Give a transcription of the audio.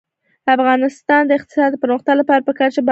د افغانستان د اقتصادي پرمختګ لپاره پکار ده چې بازارونه کنټرول شي.